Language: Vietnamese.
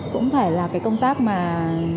cũng phải là các công tác tuyên truyền vận động